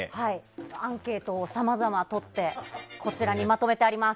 アンケートをさまざまとってこちらにまとめてあります。